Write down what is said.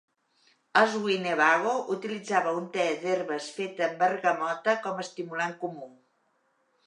Els Winnebago utilitzava un te d'herbes fet amb bergamota com a estimulant comú.